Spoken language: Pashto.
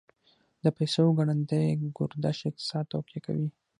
د پیسو ګړندی گردش اقتصاد تقویه کوي.